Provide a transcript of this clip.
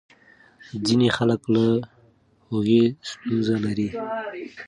ځینې خلک له هوږې ستونزه لري.